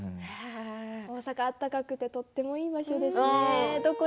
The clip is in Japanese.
大阪は温かくてとてもいい町ですね。